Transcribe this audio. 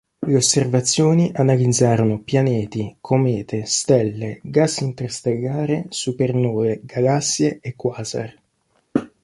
Le osservazioni analizzarono pianeti, comete, stelle, gas interstellare, supernove, galassie e quasar.